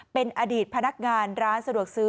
เป็นอดีตพนักงานร้านสะดวกซื้อ